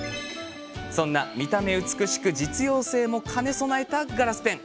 そんな見た目に美しく実用性も兼ねたガラスペン。